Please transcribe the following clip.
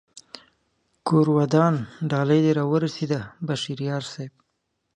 کور ودان ډالۍ دې را و رسېده بشر یار صاحب